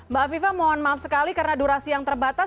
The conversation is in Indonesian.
mbak afifah mohon maaf sekali karena durasi yang terbatas